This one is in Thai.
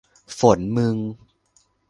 ฝน มึง